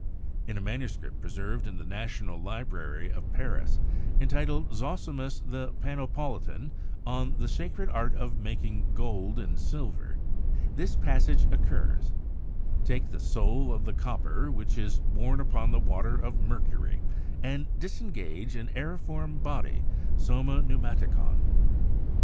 In a manuscript preserved in the National Library of Paris, entitled 'Zosimus the Panopolitan on the Sacred Art of making Gold and Silver/ this passage oc curs: "Take the soul of the copper, which is borne upon the water of mercury, and disengage an aeriform body ('soma pneumatikon')."